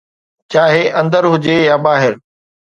چاهي اندر هجي يا ٻاهر